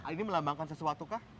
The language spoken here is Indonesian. ini melambangkan sesuatu kah